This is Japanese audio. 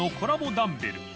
ダンベル磴